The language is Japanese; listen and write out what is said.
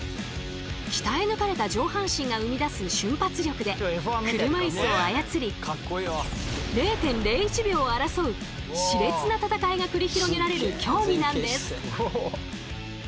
鍛え抜かれた上半身が生み出す瞬発力で車いすを操り０．０１秒を争う熾烈な戦いが繰り広げられる競技なんです。